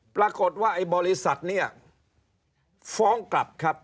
ปรากฏว่าบริษัทนี้ฟ้องกลับครับ